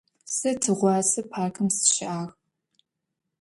Se tığuase parkım sışı'ağ.